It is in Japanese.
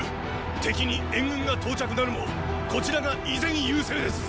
敵に援軍が到着なるもこちらが依然優勢です！！